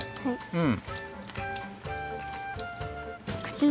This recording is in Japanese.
うん。